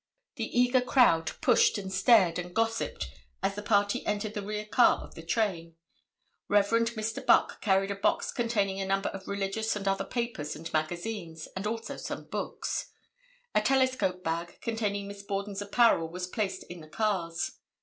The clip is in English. The eager crowd pushed and stared and gossipped as the party entered the rear car of the train. Rev. Mr. Buck carried a box containing a number of religious and other papers and magazines, and also some books. A telescope bag containing Miss Borden's apparel was placed in the cars.